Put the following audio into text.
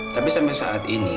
tapi sampai saat ini